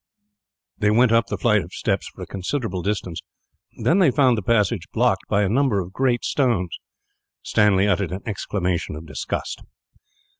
They went up the flight of steps for a considerable distance, then they found the passage blocked by a number of great stones. Stanley uttered an exclamation of disgust.